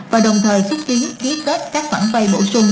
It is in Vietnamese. và đồng thời xúc chiến ký kết các khoản phê bổ sung